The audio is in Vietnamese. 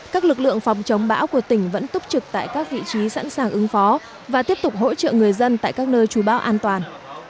các lực lượng phòng chống bão của tỉnh vẫn túc trực tại các vị trí sẵn sàng ứng phó và tiếp tục hỗ trợ người dân tại các nơi trú bão an toàn